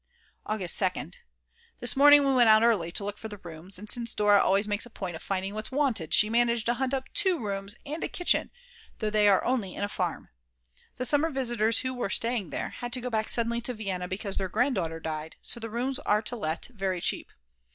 August 2nd. This morning we went out early to look for the rooms, and since Dora always makes a point of finding what's wanted, she managed to hunt up 2 rooms and a kitchen, though they are only in a farm. The summer visitors who were staying there had to go back suddenly to Vienna because their grandmother died, and so the rooms are to let very cheap.